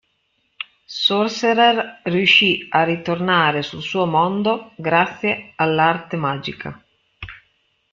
Sorcerer riuscì a ritornare sul suo mondo grazie all'arte magica.